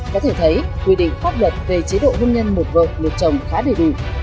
có thể thấy quy định pháp luật về chế độ hôn nhân buộc vợ buộc chồng khá đầy đủ